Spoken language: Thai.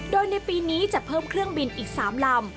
โดยในปีนี้จะเพิ่มเครื่องบินอีก๓ลำ